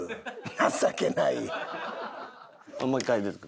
情けない。